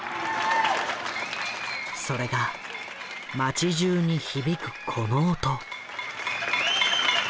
それが街じゅうに響くこの音。